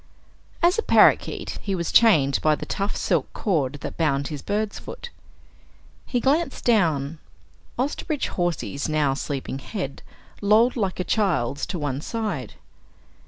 As a parakeet, he was chained by the tough silk cord that bound his bird's foot. He glanced down. Osterbridge Hawsey's now sleeping head lolled like a child's to one side.